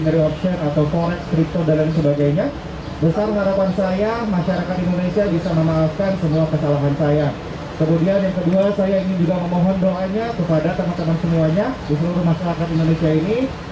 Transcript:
rizky fabian menyebutkan penipuan berkenaan